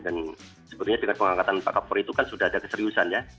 dan sebetulnya dengan pengangkatan pak kapolri itu kan sudah ada keseriusan ya